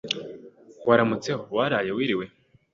waramutseho, waraye, wiriwe